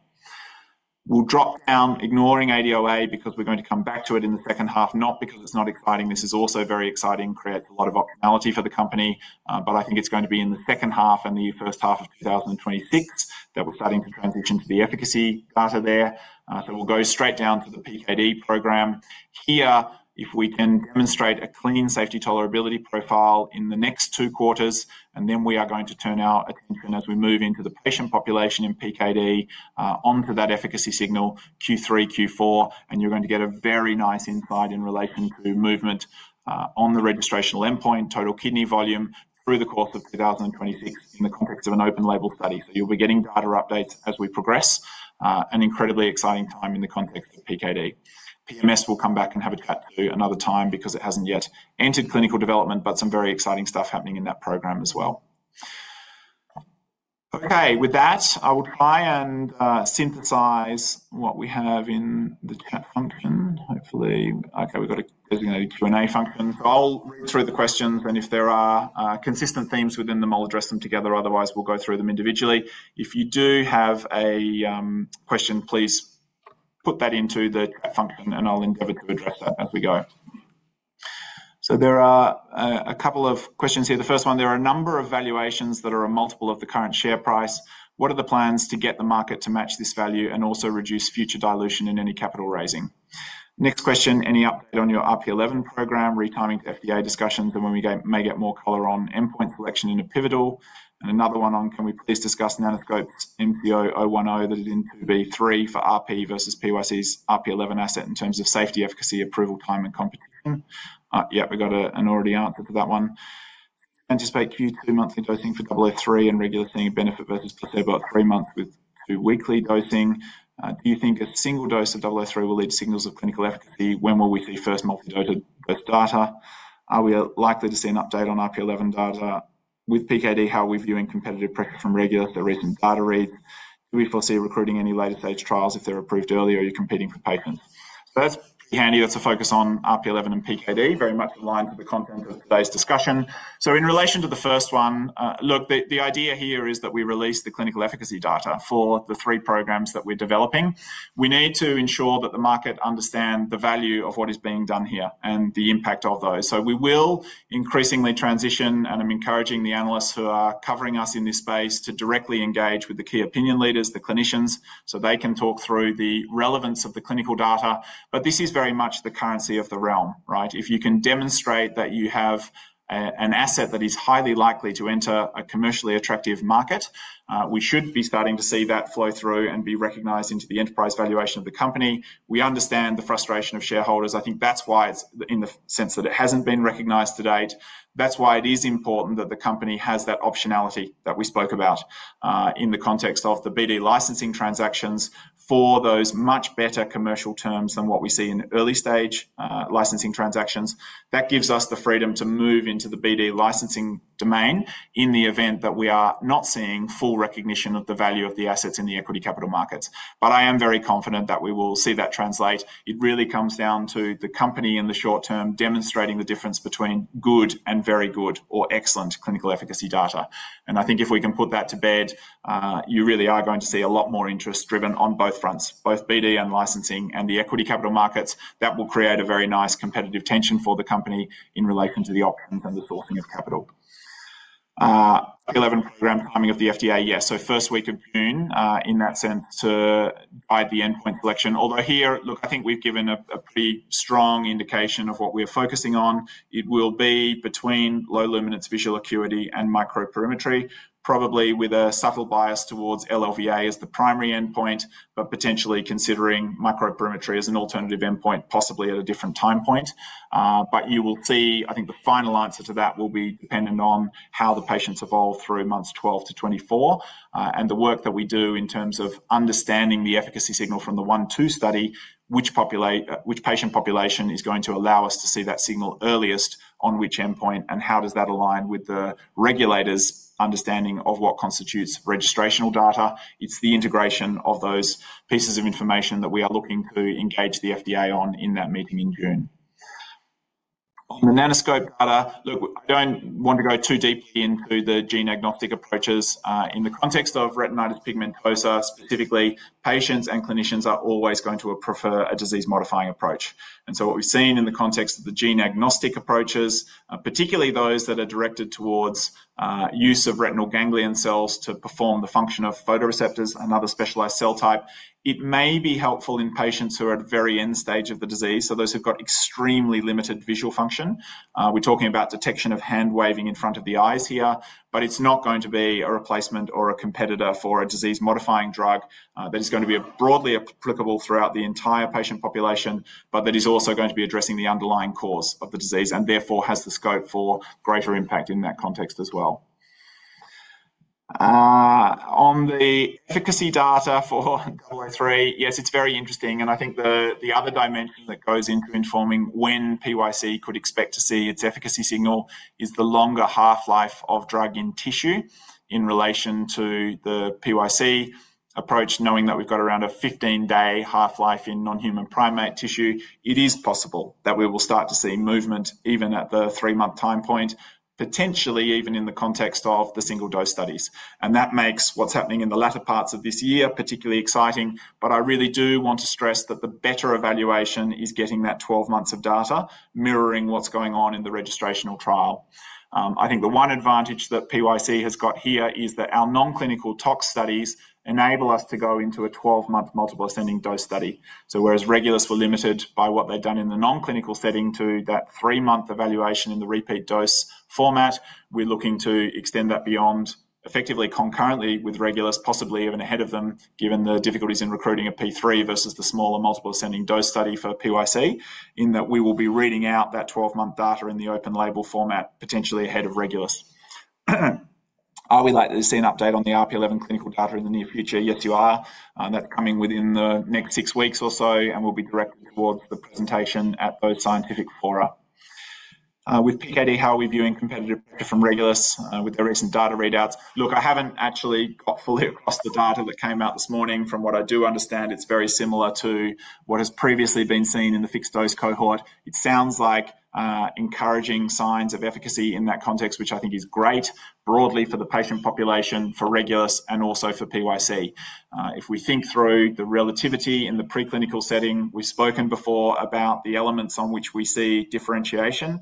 We'll drop down ignoring ADOA because we're going to come back to it in the second half, not because it's not exciting. This is also very exciting, creates a lot of optionality for the company. I think it's going to be in the second half and the first half of 2026 that we're starting to transition to the efficacy data there. We'll go straight down to the PKD program. Here, if we can demonstrate a clean safety tolerability profile in the next two quarters, we are going to turn our attention as we move into the patient population in PKD onto that efficacy signal Q3, Q4, and you're going to get a very nice insight in relation to movement on the registrational endpoint, total kidney volume through the course of 2026 in the context of an open label study. You'll be getting data updates as we progress, an incredibly exciting time in the context of PKD. PMS will come back and have a chat too another time because it hasn't yet entered clinical development, but some very exciting stuff happening in that program as well. Okay, with that, I will try and synthesize what we have in the chat function. Hopefully, okay, we've got a designated Q&A function. I will read through the questions, and if there are consistent themes within them, I'll address them together. Otherwise, we'll go through them individually. If you do have a question, please put that into the chat function, and I'll endeavor to address that as we go. There are a couple of questions here. The first one, there are a number of valuations that are a multiple of the current share price. What are the plans to get the market to match this value and also reduce future dilution in any capital raising? Next question, any update on your RP11 program, re: timing FDA discussions, and when we may get more color on endpoint selection in a pivotal? Another one on, can we please discuss Nanoscope's MCO-010 that is in II-B/III for RP versus PYC's RP11 asset in terms of safety, efficacy, approval time, and competition? Yep, we got an already answer to that one. Anticipate Q2 monthly dosing for 003 and Regulus seeing benefit versus placebo at three months with two weekly dosing. Do you think a single dose of 003 will lead to signals of clinical efficacy? When will we see first multidated both data? Are we likely to see an update on RP11 data with PKD? How are we viewing competitive pressure from Regulus? The recent data reads. Do we foresee recruiting any later stage trials if they're approved early or are you competing for patents? That's pretty handy. That's a focus on RP11 and PKD, very much aligned to the content of today's discussion. In relation to the first one, look, the idea here is that we release the clinical efficacy data for the three programs that we're developing. We need to ensure that the market understands the value of what is being done here and the impact of those. We will increasingly transition, and I'm encouraging the analysts who are covering us in this space to directly engage with the key opinion leaders, the clinicians, so they can talk through the relevance of the clinical data. This is very much the currency of the realm, right? If you can demonstrate that you have an asset that is highly likely to enter a commercially attractive market, we should be starting to see that flow through and be recognized into the enterprise valuation of the company. We understand the frustration of shareholders. I think that's why it's in the sense that it hasn't been recognized to date. That is why it is important that the company has that optionality that we spoke about in the context of the BD licensing transactions for those much better commercial terms than what we see in early stage licensing transactions. That gives us the freedom to move into the BD licensing domain in the event that we are not seeing full recognition of the value of the assets in the equity capital markets. I am very confident that we will see that translate. It really comes down to the company in the short term demonstrating the difference between good and very good or excellent clinical efficacy data. I think if we can put that to bed, you really are going to see a lot more interest driven on both fronts, both BD and licensing and the equity capital markets. That will create a very nice competitive tension for the company in relation to the options and the sourcing of capital. RP11 program timing of the FDA, yes. First week of June in that sense to guide the endpoint selection. Although here, look, I think we've given a pretty strong indication of what we're focusing on. It will be between low luminance visual acuity and microperimetry, probably with a subtle bias towards LLVA as the primary endpoint, but potentially considering microperimetry as an alternative endpoint, possibly at a different time point. You will see, I think the final answer to that will be dependent on how the patients evolve through months 12 to 24 and the work that we do in terms of understanding the efficacy signal from the phase 1/2 study, which patient population is going to allow us to see that signal earliest on which endpoint and how does that align with the regulators' understanding of what constitutes registrational data. It's the integration of those pieces of information that we are looking to engage the FDA on in that meeting in June. On the Nanoscope data, look, I don't want to go too deeply into the gene agnostic approaches. In the context of retinitis pigmentosa, specifically, patients and clinicians are always going to prefer a disease-modifying approach. What we've seen in the context of the gene agnostic approaches, particularly those that are directed towards use of retinal ganglion cells to perform the function of photoreceptors and other specialized cell type, it may be helpful in patients who are at the very end stage of the disease. Those who've got extremely limited visual function, we're talking about detection of hand waving in front of the eyes here, but it's not going to be a replacement or a competitor for a disease-modifying drug that is going to be broadly applicable throughout the entire patient population, but that is also going to be addressing the underlying cause of the disease and therefore has the scope for greater impact in that context as well. On the efficacy data for 003, yes, it's very interesting. I think the other dimension that goes into informing when PYC could expect to see its efficacy signal is the longer half-life of drug in tissue in relation to the PYC approach, knowing that we've got around a 15-day half-life in non-human primate tissue. It is possible that we will start to see movement even at the three-month time point, potentially even in the context of the single-dose studies. That makes what's happening in the latter parts of this year particularly exciting. I really do want to stress that the better evaluation is getting that 12 months of data mirroring what's going on in the registrational trial. I think the one advantage that PYC has got here is that our non-clinical tox studies enable us to go into a 12-month multiple ascending dose study. Whereas Regulus were limited by what they've done in the non-clinical setting to that three-month evaluation in the repeat dose format, we're looking to extend that beyond, effectively concurrently with Regulus, possibly even ahead of them, given the difficulties in recruiting a phase III versus the smaller multiple ascending dose study for PYC, in that we will be reading out that 12-month data in the open label format, potentially ahead of Regulus. Are we likely to see an update on the RP11 clinical data in the near future? Yes, you are. That's coming within the next six weeks or so, and we'll be directing towards the presentation at those scientific fora. With PKD, how are we viewing competitive pressure from Regulus with their recent data readouts? Look, I haven't actually got fully across the data that came out this morning. From what I do understand, it's very similar to what has previously been seen in the fixed dose cohort. It sounds like encouraging signs of efficacy in that context, which I think is great broadly for the patient population, for regulators, and also for PYC. If we think through the relativity in the preclinical setting, we've spoken before about the elements on which we see differentiation.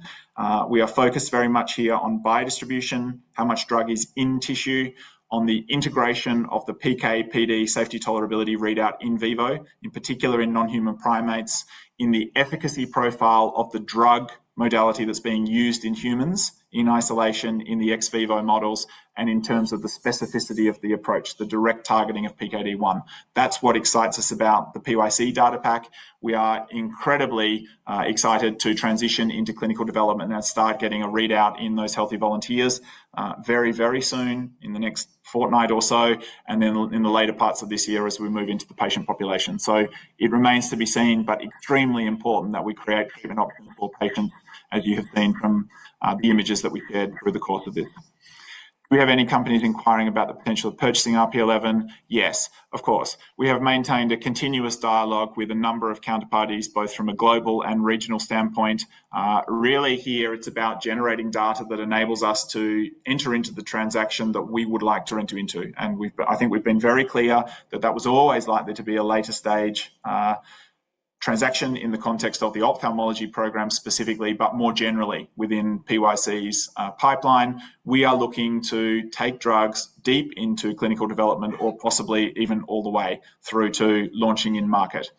We are focused very much here on biodistribution, how much drug is in tissue, on the integration of the PK/PD safety tolerability readout in vivo, in particular in non-human primates, in the efficacy profile of the drug modality that's being used in humans in isolation in the ex vivo models, and in terms of the specificity of the approach, the direct targeting of PKD1. That's what excites us about the PYC data pack. We are incredibly excited to transition into clinical development and start getting a readout in those healthy volunteers very, very soon in the next fortnight or so, and then in the later parts of this year as we move into the patient population. It remains to be seen, but extremely important that we create treatment options for patients, as you have seen from the images that we shared through the course of this. Do we have any companies inquiring about the potential of purchasing RP11? Yes, of course. We have maintained a continuous dialogue with a number of counterparties, both from a global and regional standpoint. Really here, it's about generating data that enables us to enter into the transaction that we would like to enter into. I think we've been very clear that that was always likely to be a later stage transaction in the context of the ophthalmology program specifically, but more generally within PYC's pipeline. We are looking to take drugs deep into clinical development or possibly even all the way through to launching in market.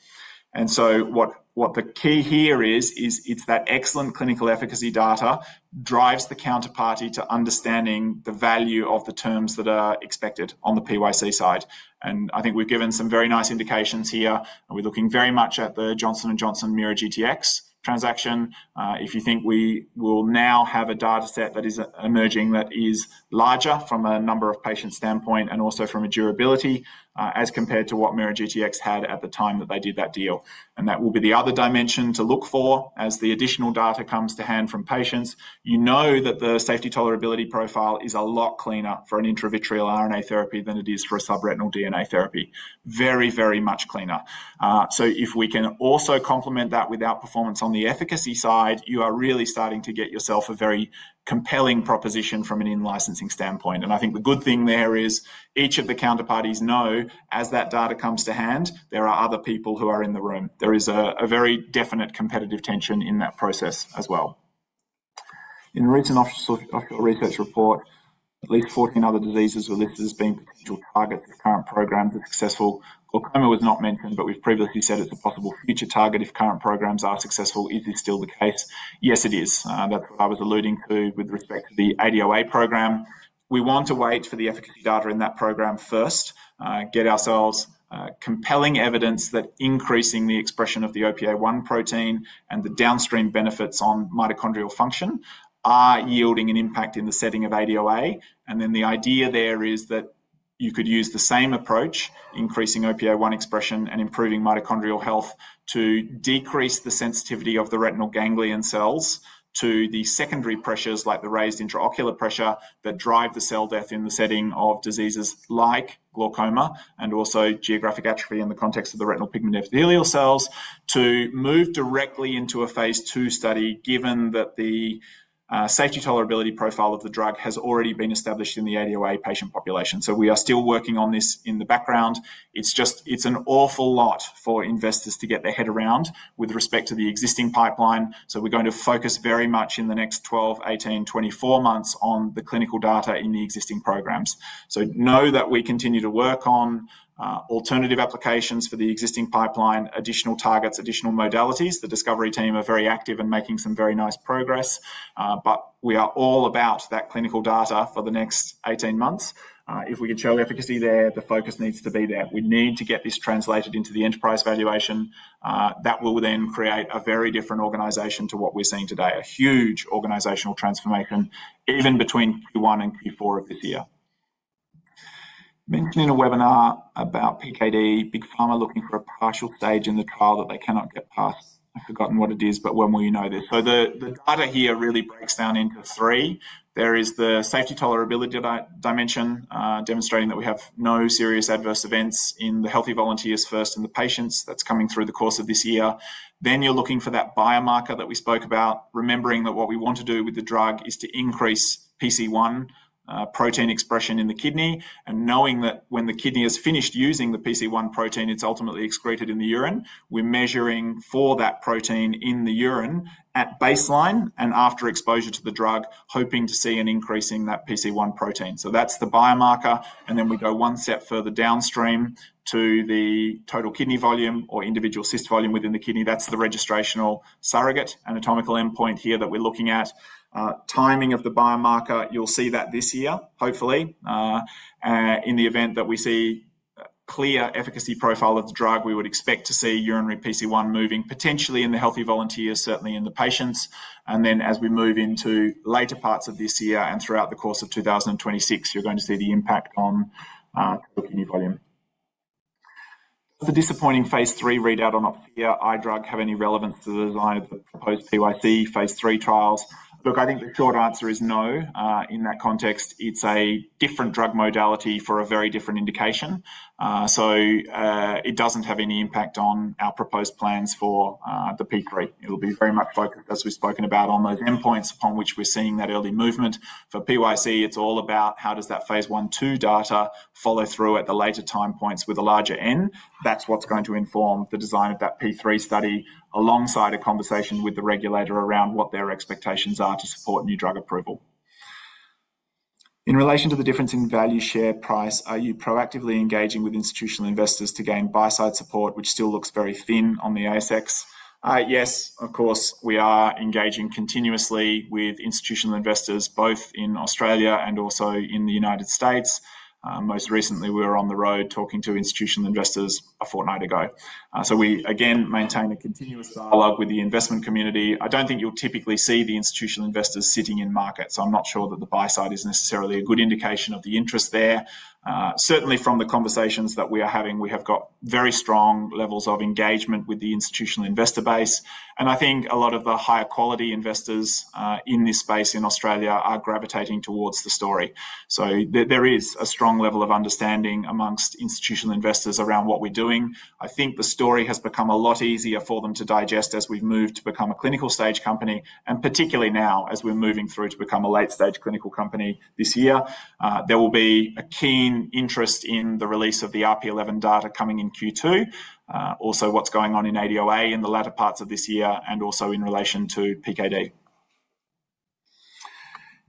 What the key here is, is it's that excellent clinical efficacy data drives the counterparty to understanding the value of the terms that are expected on the PYC side. I think we've given some very nice indications here. We're looking very much at the Johnson & Johnson MeiraGTx transaction. If you think we will now have a data set that is emerging that is larger from a number of patients' standpoint and also from a durability as compared to what MeiraGTx had at the time that they did that deal. That will be the other dimension to look for as the additional data comes to hand from patients. You know that the safety tolerability profile is a lot cleaner for an intravitreal RNA therapy than it is for a subretinal DNA therapy, very, very much cleaner. If we can also complement that with outperformance on the efficacy side, you are really starting to get yourself a very compelling proposition from an in-licensing standpoint. I think the good thing there is each of the counterparties know as that data comes to hand, there are other people who are in the room. There is a very definite competitive tension in that process as well. In a recent orphan research report, at least 14 other diseases were listed as being potential targets if current programs are successful. Glaucoma was not mentioned, but we've previously said it's a possible future target if current programs are successful. Is this still the case? Yes, it is. That's what I was alluding to with respect to the ADOA program. We want to wait for the efficacy data in that program first, get ourselves compelling evidence that increasing the expression of the OPA1 protein and the downstream benefits on mitochondrial function are yielding an impact in the setting of ADOA. The idea there is that you could use the same approach, increasing OPA1 expression and improving mitochondrial health to decrease the sensitivity of the retinal ganglion cells to the secondary pressures like the raised intraocular pressure that drive the cell death in the setting of diseases like glaucoma and also geographic atrophy in the context of the retinal pigment epithelial cells to move directly into a phase II study given that the safety tolerability profile of the drug has already been established in the ADOA patient population. We are still working on this in the background. It's just, it's an awful lot for investors to get their head around with respect to the existing pipeline. We are going to focus very much in the next 12, 18, 24 months on the clinical data in the existing programs. Know that we continue to work on alternative applications for the existing pipeline, additional targets, additional modalities. The discovery team are very active and making some very nice progress, but we are all about that clinical data for the next 18 months. If we can show efficacy there, the focus needs to be there. We need to get this translated into the enterprise valuation. That will then create a very different organization to what we're seeing today, a huge organizational transformation even between Q1 and Q4 of this year. Mentioning a webinar about PKD, Big Pharma looking for a partial stage in the trial that they cannot get past. I've forgotten what it is, but when will you know this? The data here really breaks down into three. There is the safety tolerability dimension demonstrating that we have no serious adverse events in the healthy volunteers first and the patients that's coming through the course of this year. You are looking for that biomarker that we spoke about, remembering that what we want to do with the drug is to increase PC1 protein expression in the kidney and knowing that when the kidney has finished using the PC1 protein, it's ultimately excreted in the urine. We are measuring for that protein in the urine at baseline and after exposure to the drug, hoping to see an increase in that PC1 protein. That is the biomarker. We go one step further downstream to the total kidney volume or individual cyst volume within the kidney. That is the registrational surrogate anatomical endpoint here that we are looking at. Timing of the biomarker, you will see that this year, hopefully. In the event that we see a clear efficacy profile of the drug, we would expect to see urinary PC1 moving potentially in the healthy volunteers, certainly in the patients. As we move into later parts of this year and throughout the course of 2026, you're going to see the impact on total kidney volume. The disappointing phase III readout on OPA1 drug have any relevance to the design of the proposed PYC phase III trials? Look, I think the short answer is no. In that context, it's a different drug modality for a very different indication. It doesn't have any impact on our proposed plans for the P3. It'll be very much focused, as we've spoken about, on those endpoints upon which we're seeing that early movement. For PYC, it's all about how does that phase I/II data follow through at the later time points with a larger N. That's what's going to inform the design of that P3 study alongside a conversation with the regulator around what their expectations are to support new drug approval. In relation to the difference in value share price, are you proactively engaging with institutional investors to gain buy-side support, which still looks very thin on the ASX? Yes, of course, we are engaging continuously with institutional investors both in Australia and also in the United States. Most recently, we were on the road talking to institutional investors a fortnight ago. We again maintain a continuous dialogue with the investment community. I don't think you'll typically see the institutional investors sitting in markets. I'm not sure that the buy-side is necessarily a good indication of the interest there. Certainly from the conversations that we are having, we have got very strong levels of engagement with the institutional investor base. I think a lot of the higher quality investors in this space in Australia are gravitating towards the story. There is a strong level of understanding amongst institutional investors around what we're doing. I think the story has become a lot easier for them to digest as we've moved to become a clinical stage company. Particularly now as we're moving through to become a late stage clinical company this year, there will be a keen interest in the release of the RP11 data coming in Q2. Also what's going on in ADOA in the latter parts of this year and also in relation to PKD.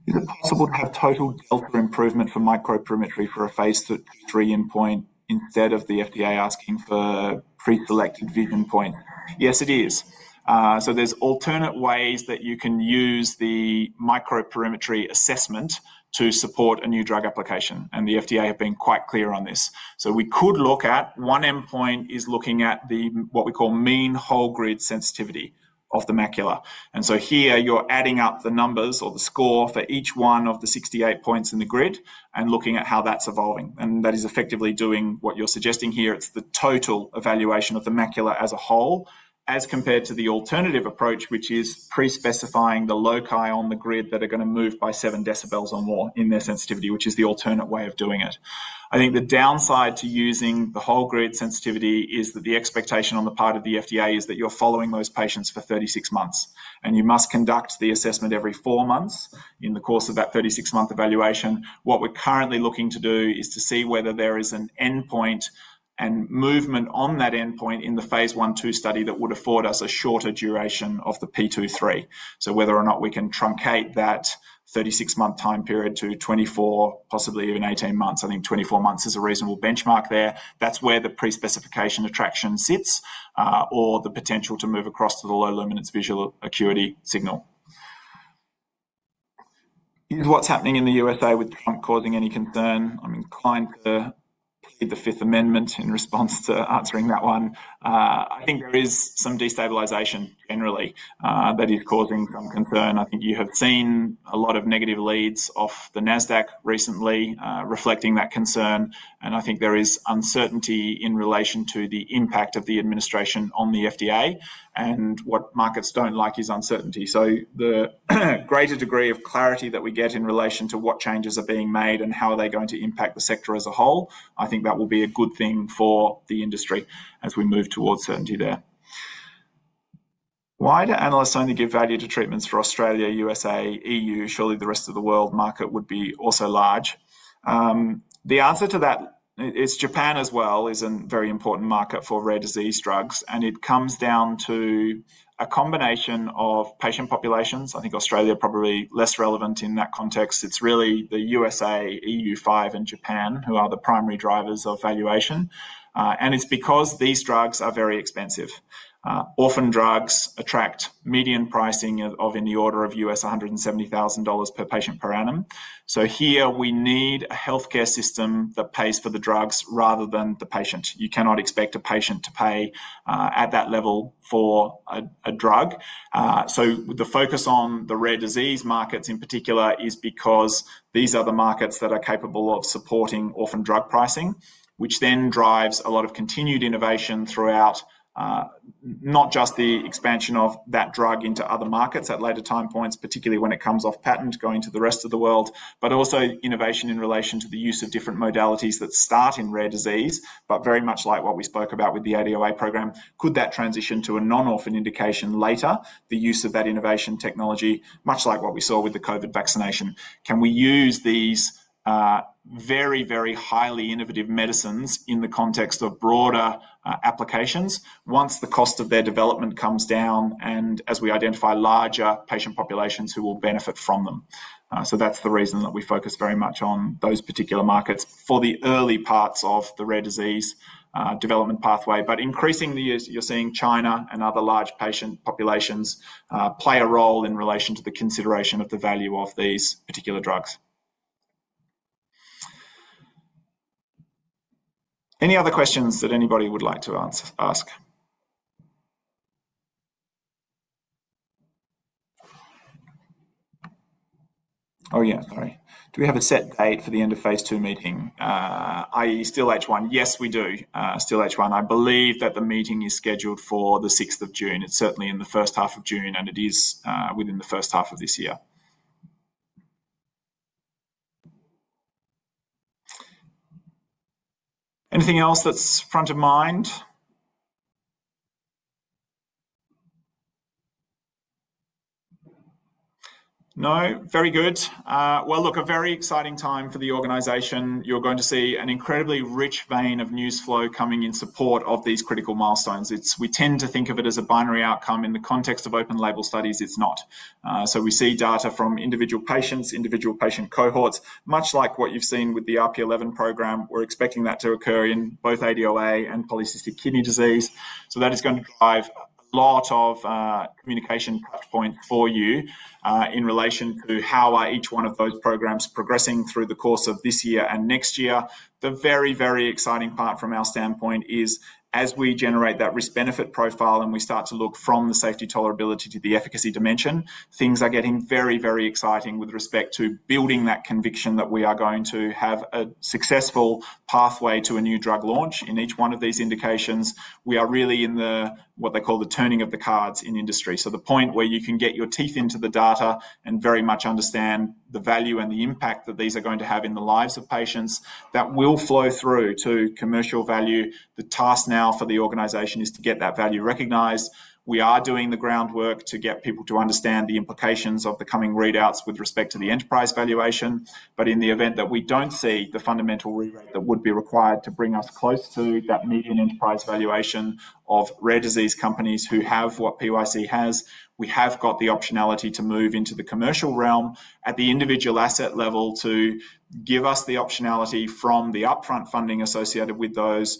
Is it possible to have total delta improvement for microperimetry for a phase III endpoint instead of the FDA asking for preselected vision points? Yes, it is. There are alternate ways that you can use the microperimetry assessment to support a new drug application. The FDA have been quite clear on this. We could look at one endpoint, which is looking at what we call mean whole grid sensitivity of the macula. Here, you're adding up the numbers or the score for each one of the 68 points in the grid and looking at how that's evolving. That is effectively doing what you're suggesting here. It's the total evaluation of the macula as a whole as compared to the alternative approach, which is pre-specifying the loci on the grid that are going to move by seven decibels or more in their sensitivity, which is the alternate way of doing it. I think the downside to using the whole grid sensitivity is that the expectation on the part of the FDA is that you're following those patients for 36 months. You must conduct the assessment every four months in the course of that 36-month evaluation. What we're currently looking to do is to see whether there is an endpoint and movement on that endpoint in the phase I/II study that would afford us a shorter duration of the phase 2/3. Whether or not we can truncate that 36-month time period to 24, possibly even 18 months. I think 24 months is a reasonable benchmark there. That's where the pre-specification attraction sits or the potential to move across to the low luminance visual acuity signal. What's happening in the U.S.A. with Trump causing any concern? I'm inclined to plead the Fifth Amendment in response to answering that one. I think there is some destabilization generally that is causing some concern. I think you have seen a lot of negative leads off the Nasdaq recently reflecting that concern. I think there is uncertainty in relation to the impact of the administration on the FDA. What markets don't like is uncertainty. The greater degree of clarity that we get in relation to what changes are being made and how are they going to impact the sector as a whole, I think that will be a good thing for the industry as we move towards certainty there. Why do analysts only give value to treatments for Australia, U.S.A., EU? Surely the rest of the world market would be also large. The answer to that is Japan as well is a very important market for rare disease drugs. It comes down to a combination of patient populations. I think Australia is probably less relevant in that context. It's really the U.S.A., EU5, and Japan who are the primary drivers of valuation. It's because these drugs are very expensive. Orphan drugs attract median pricing of in the order of $170,000 per patient per annum. Here we need a healthcare system that pays for the drugs rather than the patient. You cannot expect a patient to pay at that level for a drug. The focus on the rare disease markets in particular is because these are the markets that are capable of supporting orphan drug pricing, which then drives a lot of continued innovation throughout not just the expansion of that drug into other markets at later time points, particularly when it comes off patent going to the rest of the world, but also innovation in relation to the use of different modalities that start in rare disease, but very much like what we spoke about with the ADOA program. Could that transition to a non-orphan indication later, the use of that innovation technology, much like what we saw with the COVID vaccination? Can we use these very, very highly innovative medicines in the context of broader applications once the cost of their development comes down and as we identify larger patient populations who will benefit from them? That's the reason that we focus very much on those particular markets for the early parts of the rare disease development pathway. Increasingly, you're seeing China and other large patient populations play a role in relation to the consideration of the value of these particular drugs. Any other questions that anybody would like to ask? Oh yeah, sorry. Do we have a set date for the end of phase II meeting? IE still H1. Yes, we do. Still H1. I believe that the meeting is scheduled for the 6th of June. It's certainly in the first half of June and it is within the first half of this year. Anything else that's front of mind? No? Very good. Look, a very exciting time for the organization. You're going to see an incredibly rich vein of news flow coming in support of these critical milestones. We tend to think of it as a binary outcome in the context of open label studies. It is not. We see data from individual patients, individual patient cohorts, much like what you have seen with the RP11 program. We are expecting that to occur in both ADOA and polycystic kidney disease. That is going to drive a lot of communication touch points for you in relation to how each one of those programs is progressing through the course of this year and next year. The very, very exciting part from our standpoint is as we generate that risk-benefit profile and we start to look from the safety tolerability to the efficacy dimension, things are getting very, very exciting with respect to building that conviction that we are going to have a successful pathway to a new drug launch in each one of these indications. We are really in what they call the turning of the cards in industry. The point where you can get your teeth into the data and very much understand the value and the impact that these are going to have in the lives of patients that will flow through to commercial value. The task now for the organization is to get that value recognized. We are doing the groundwork to get people to understand the implications of the coming readouts with respect to the enterprise valuation. In the event that we don't see the fundamental rerate that would be required to bring us close to that median enterprise valuation of rare disease companies who have what PYC has, we have got the optionality to move into the commercial realm at the individual asset level to give us the optionality from the upfront funding associated with those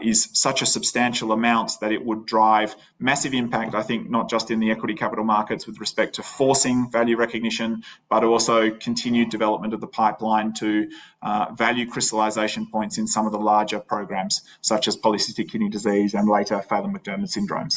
is such a substantial amount that it would drive massive impact, I think not just in the equity capital markets with respect to forcing value recognition, but also continued development of the pipeline to value crystallization points in some of the larger programs such as polycystic kidney disease and later Phelan-McDermid syndrome.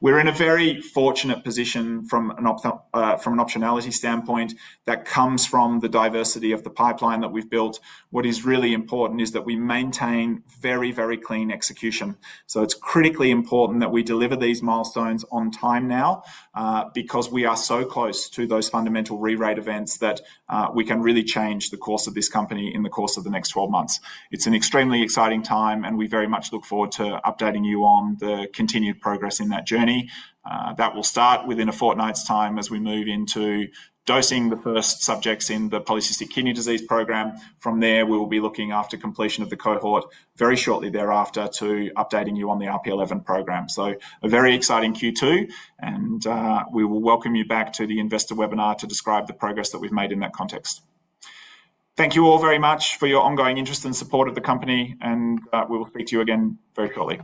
We are in a very fortunate position from an optionality standpoint that comes from the diversity of the pipeline that we've built. What is really important is that we maintain very, very clean execution. It is critically important that we deliver these milestones on time now because we are so close to those fundamental rerate events that we can really change the course of this company in the course of the next 12 months. It is an extremely exciting time and we very much look forward to updating you on the continued progress in that journey. That will start within a fortnight's time as we move into dosing the first subjects in the polycystic kidney disease program. From there, we will be looking after completion of the cohort very shortly thereafter to updating you on the RP11 program. A very exciting Q2 and we will welcome you back to the investor webinar to describe the progress that we have made in that context. Thank you all very much for your ongoing interest and support of the company and we will speak to you again very shortly.